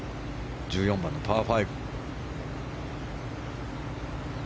１４番のパー５。